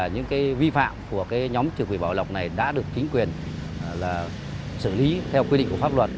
những vi phạm của nhóm trừ quỷ bảo lộc này đã được chính quyền xử lý theo quy định của pháp luật